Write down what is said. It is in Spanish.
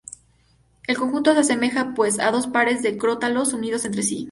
El conjunto se asemeja, pues, a dos pares de crótalos unidos entre sí.